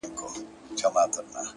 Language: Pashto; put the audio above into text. د يو ښايستې سپيني كوتري په څېر!!